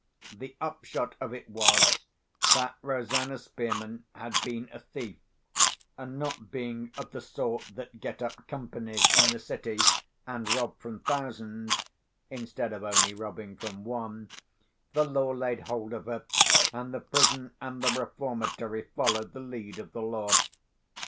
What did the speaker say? The upshot of it was, that Rosanna Spearman had been a thief, and not being of the sort that get up Companies in the City, and rob from thousands, instead of only robbing from one, the law laid hold of her, and the prison and the reformatory followed the lead of the law.